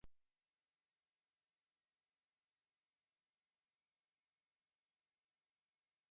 For consumers, TransUnion offers credit monitoring and identity theft protection tools.